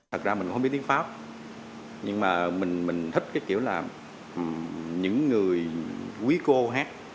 thật ra mình không biết tiếng pháp nhưng mà mình thích cái kiểu là những người quý cô hát